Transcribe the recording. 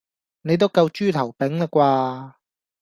你都夠豬頭柄啦啩?